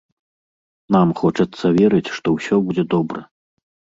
Нам хочацца верыць, што ўсё будзе добра.